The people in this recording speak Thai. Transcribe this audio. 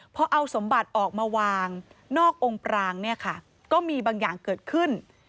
พอเอาสมบัติออกมาวางนอกองค์ปรางเนี่ยค่ะก็มีบางอย่างเกิดขึ้น